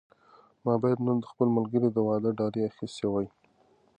ما باید نن د خپل ملګري د واده ډالۍ اخیستې وای.